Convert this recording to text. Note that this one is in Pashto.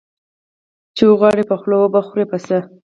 ـ چې وغواړې په خوله وبه خورې په څه.